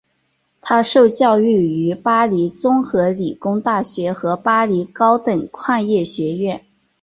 他受教育于巴黎综合理工大学和巴黎高等矿业学院。